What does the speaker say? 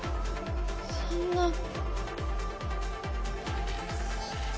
そんな。